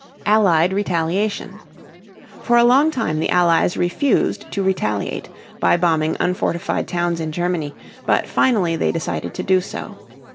ALLIED RETALIATION. For a long time the Allies refused to retaliate by bombing unfortified towns in Germany, but finally they decided to do so.